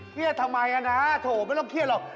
ทำไมนะโถไม่ต้องเครียดหรอก